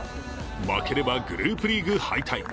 負ければグループリーグ敗退。